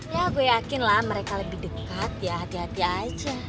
ya aku yakin lah mereka lebih dekat ya hati hati aja